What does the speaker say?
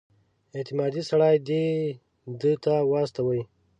اعتمادي سړی دې ده ته واستوي.